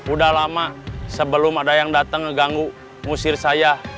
udah lama sebelum ada yang dateng ngeganggu ngusir saya